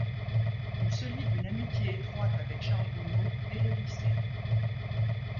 Il se lie d'une amitié étroite avec Charles Gounod dès le lycée.